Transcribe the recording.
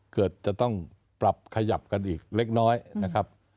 จะต้องปรับขยับกันอีกเล็กน้อยนะครับ